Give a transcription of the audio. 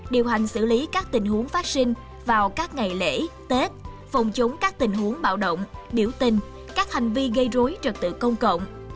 điều hành xử lý các tình huống phát sinh vào các ngày lễ tết phòng chống các tình huống bạo động biểu tình các hành vi gây rối trật tự công cộng